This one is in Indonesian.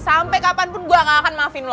sampe kapan pun gue gak akan maafin lo